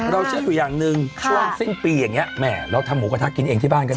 เชื่ออยู่อย่างหนึ่งช่วงสิ้นปีอย่างนี้แหมเราทำหมูกระทะกินเองที่บ้านก็ได้